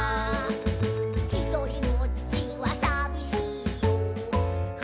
「ひとりぼっちはさびしいよ」